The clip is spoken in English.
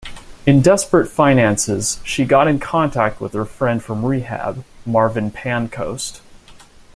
In desperate finances, she got in contact with her friend from rehab, Marvin Pancoast.